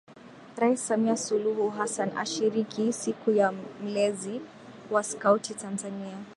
Rais Samia Suluhu Hassan ashiriki Siku ya Mlezi wa Skauti Tanzania